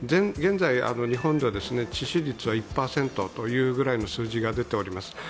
現在、日本では致死率は１％というぐらいの数字が出ています。